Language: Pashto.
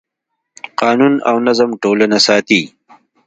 قانون او نظم ټولنه ساتي.